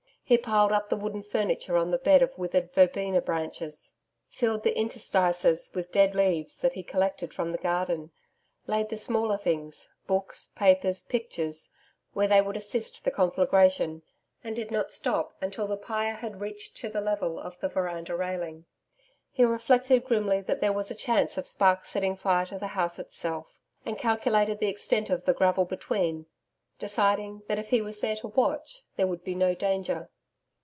He piled up the wooden furniture on the bed of withered verbena branches, filled the interstices with dead leaves that he collected from the garden, laid the smaller things books, papers, pictures where they would assist the conflagration, and did not stop until the pyre had reached to the level of the veranda railing. He reflected grimly that there was a chance of sparks setting fire to the house itself, and calculated the extent of the gravel between, deciding that if he was there to watch there would be no danger.